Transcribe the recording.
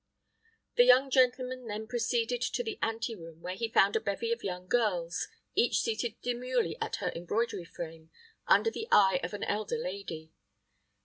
The young gentleman then proceeded to the ante room, where he found a bevy of young girls, each seated demurely at her embroidery frame, under the eye of an elder lady.